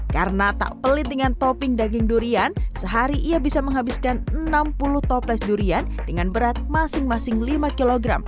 karena tak pelit dengan topping daging durian sehari ia bisa menghabiskan enam puluh toples durian dengan berat masing masing lima kg